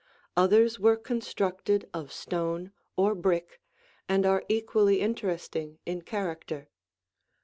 Others were constructed of stone or brick and are equally interesting in character.